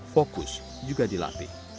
fokus juga dilatih